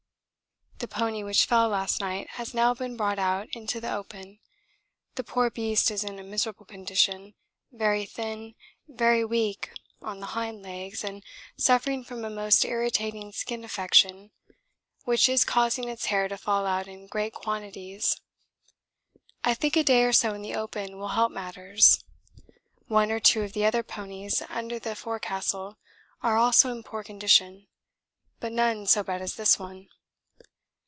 The pony which fell last night has now been brought out into the open. The poor beast is in a miserable condition, very thin, very weak on the hind legs, and suffering from a most irritating skin affection which is causing its hair to fall out in great quantities. I think a day or so in the open will help matters; one or two of the other ponies under the forecastle are also in poor condition, but none so bad as this one.